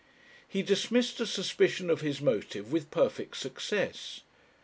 He dismissed a suspicion of his motive with perfect success.